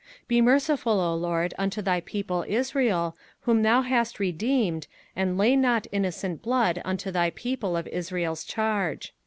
05:021:008 Be merciful, O LORD, unto thy people Israel, whom thou hast redeemed, and lay not innocent blood unto thy people of Israel's charge.